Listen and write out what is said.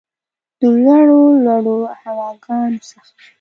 د لوړو ، لوړو هواګانو څخه